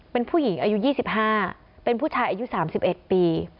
เป็นผู้หญิงอายุ๒๕เป็นผู้ชายอายุ๓๑ปี